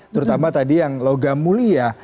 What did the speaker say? terutama tadi yang logam mulia